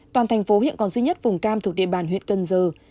toàn thành phố hiện còn duy nhất vùng cam thuộc địa bàn huyện cân dơ